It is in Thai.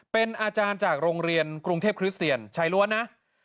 เป็นอาจารย์จากโรงเรียนกรุงเทพคริสเตียนชายล้วนนะ